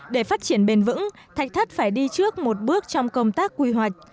để phát triển bền vững thạch thất phải đi trước một bước trong công tác quy hoạch